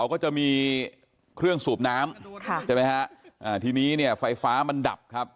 ก็จะมีเครื่องสูบน้ำค่ะใช่ไหมฮะอ่าทีนี้เนี่ยไฟฟ้ามันดับครับ